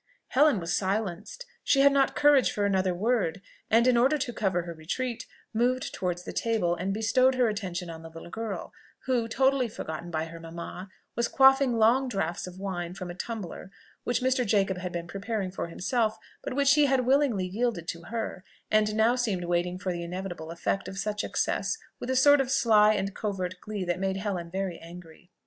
Helen was silenced she had not courage for another word, and in order to cover her retreat, moved towards the table, and bestowed her attention on the little girl, who, totally forgotten by her mamma, was quaffing long draughts of wine from a tumbler which Mr. Jacob had been preparing for himself, but which he had willingly yielded to her, and now seemed waiting for the inevitable effect of such excess with a sort of sly and covert glee that made Helen very angry.